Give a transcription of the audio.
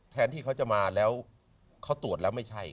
แทนที่เขาจะมาแล้วเขาตรวจแล้วไม่ใช่